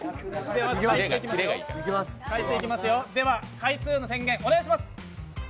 回数の宣言お願いします。